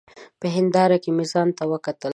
په هېنداره کي مي ځانته وکتل !